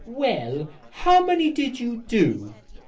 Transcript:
"Well, how many did you do?"